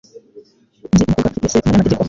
Nzi umukobwa ufite se umunyamategeko.